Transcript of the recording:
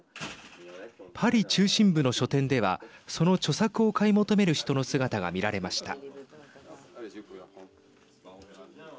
パリ中心部の書店ではその著作を買い求める人の姿が見られました。